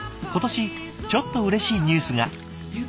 今年ちょっとうれしいニュースが。